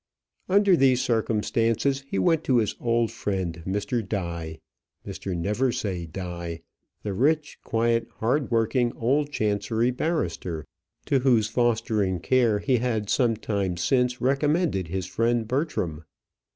Under these circumstances, he went to his old friend Mr. Die, Mr. Neversaye Die, the rich, quiet, hard working, old chancery barrister, to whose fostering care he had some time since recommended his friend Bertram.